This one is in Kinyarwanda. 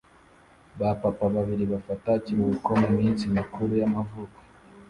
Ba papa babiri bafata ikiruhuko muminsi mikuru y'amavuko